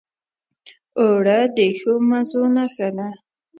اوړه د ښو مزو نښه ده